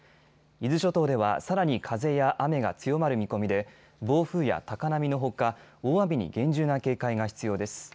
伊豆諸島ではさらに風や雨が強まる見込みで、暴風や高波のほか、大雨に厳重な警戒が必要です。